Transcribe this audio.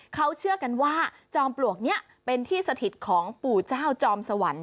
เขาเชื่อกันว่าจอมปลวกนี้เป็นที่สถิตของปู่เจ้าจอมสวรรค์